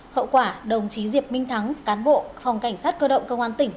hậu quả đồng chí diệp minh thắng cán bộ phòng cảnh sát cơ động công an tỉnh